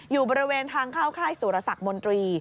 อยู่บริเวณทางเข้าค่ายสุรสักมนตรี